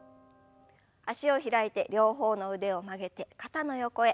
脚を開いて両方の腕を曲げて肩の横へ。